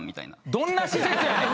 どんな施設やねん！